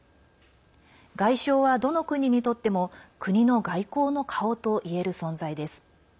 外相は、どの国にとっても国の外交の顔といえる存在です。